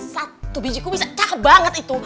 satu biji kumisnya cakep banget itu